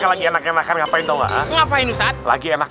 lagian pak ade toge banget sama bocah